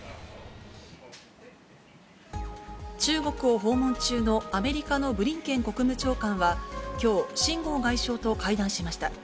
中国を訪問中のアメリカのブリンケン国務長官は、きょう、秦剛外相と会談しました。